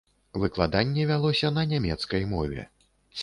Выкладанне вялося на нямецкай мове.